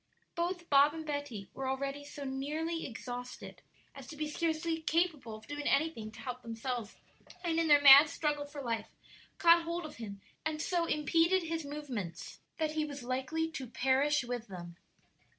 Both Bob and Betty were already so nearly exhausted as to be scarcely capable of doing anything to help themselves, and in their mad struggle for life caught hold of him and so impeded his movements that he was like to perish with them.